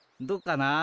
どうかな？